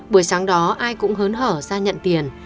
buổi sáng đó ai cũng hớn hở ra nhận tiền